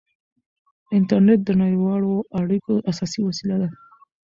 انټرنېټ د نړیوالو اړیکو اساسي وسیله ده.